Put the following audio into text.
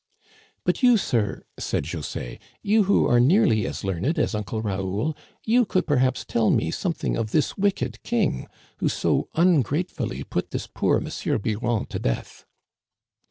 " But you, sir," said José, " you who are nearly as learned as Uncle Raoul, you could perhaps tell me something of this wicked king who so ungratefully put this poor M. Biron to death."